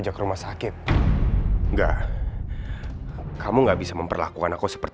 cari ke rumah sakit mana sanas membawa kenzo segera